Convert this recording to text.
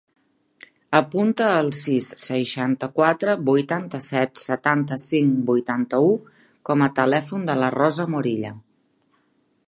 Apunta el sis, seixanta-quatre, vuitanta-set, setanta-cinc, vuitanta-u com a telèfon de la Rosa Morilla.